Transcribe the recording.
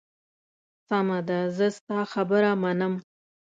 سمه ده، زه ستا خبره منم.